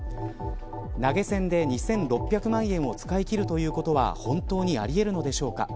投げ銭で２６００万円を使い切るということは本当にありえるのでしょうか。